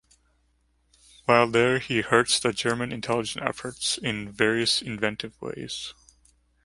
While there, he hurts the German intelligence efforts in various inventive ways.